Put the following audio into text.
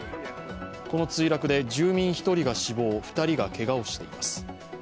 この墜落で住民１人が死亡、２人がけがをしています。